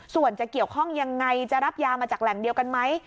ส่วนจะเกี่ยวข้องยังไงจะรับยามาจากแหล่งเดียวกันไหม